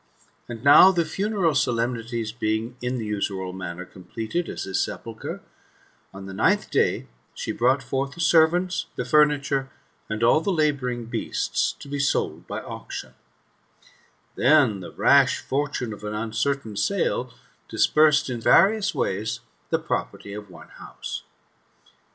And now the funeral solemnities being in the usual manner com pleted at his sepulchre, on the ninth day, she brought forth the servants, the furniture, and all the labouring beasts, to be sold by auction Then the rash fortune of an uncertain sale dis persed in various ways the property of one house.